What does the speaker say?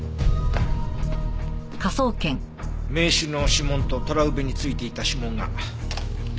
名刺の指紋とトラウベについていた指紋が一致したよ。